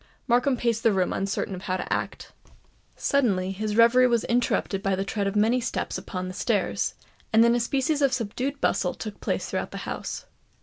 Markham paced the room uncertain how to act. Suddenly his reverie was interrupted by the tread of many steps upon the stairs; and then a species of subdued bustle took place throughout the house.